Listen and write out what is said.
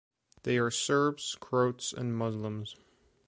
They are Serbs, Croats and Muslims.